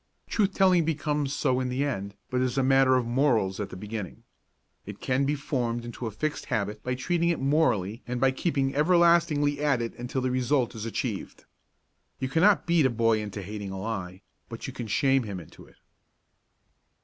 Truth telling becomes so in the end but is a matter of morals at the beginning. It can be formed into a fixed habit by treating it morally and by keeping everlastingly at it until the result is achieved. You cannot beat a boy into hating a lie, but you can shame him into it.